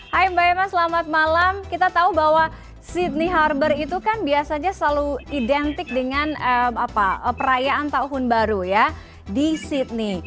hai mbak emma selamat malam kita tahu bahwa sydney harbor itu kan biasanya selalu identik dengan perayaan tahun baru ya di sydney